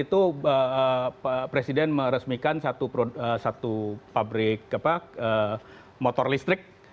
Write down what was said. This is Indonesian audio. itu presiden meresmikan satu pabrik motor listrik